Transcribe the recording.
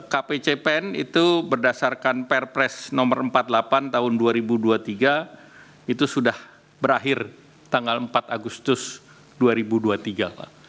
kpcpen itu berdasarkan perpres nomor empat puluh delapan tahun dua ribu dua puluh tiga itu sudah berakhir tanggal empat agustus dua ribu dua puluh tiga pak